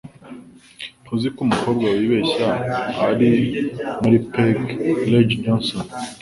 Ntuzi ko umukobwa wibeshya ari muka Peg-Leg Johnson.